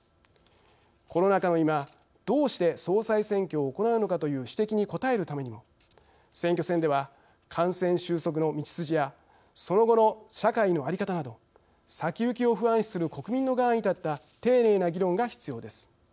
「コロナ禍の今どうして総裁選挙を行うのか」という指摘に応えるためにも選挙戦では、感染収束の道筋やその後の社会の在り方など先行きを不安視する国民の側に立った丁寧な議論が必要です。